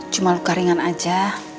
cuma luka ringan aja